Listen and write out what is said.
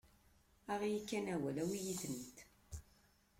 Aɣ-iyi kan awal, awi-yi-ten-id.